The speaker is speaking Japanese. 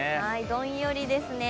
どんよりですね。